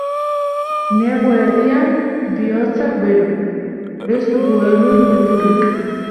Negu erdian, bihotzak bero, ez dugu elur beldurrik.